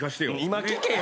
今聞け！